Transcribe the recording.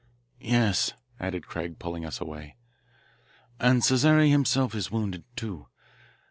"Yes," added Craig, pulling us away, "and Cesare himself is wounded, too.